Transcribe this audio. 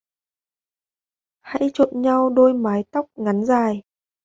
Hãy trộn nhau đôi mái tóc ngắn dài!